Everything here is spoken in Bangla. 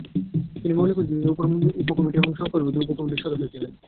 তিনি মৌলিক অধিকারের উপর উপ-কমিটি এবং সংখ্যালঘুদের উপ-কমিটির সদস্য ছিলেন।